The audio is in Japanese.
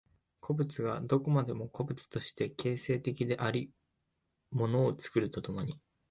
個物がどこまでも個物として形成的であり物を作ると共に、